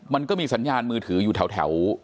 มันก็มีสัญญาณมือถืออยู่แถว